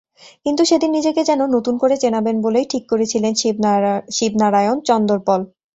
কিন্তু সেদিন নিজেকে যেন নতুন করে চেনাবেন বলেই ঠিক করেছিলেন শিবনারায়ণ চন্দরপল।